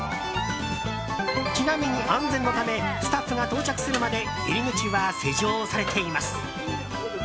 ちなみに安全のためスタッフが到着するまで入り口は施錠されています。